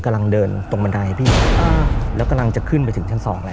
กำลังเดินตรงบันไดพี่แล้วกำลังจะขึ้นไปถึงชั้นสองแล้ว